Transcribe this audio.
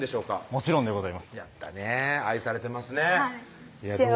もちろんでございますやったね愛されてますね幸せです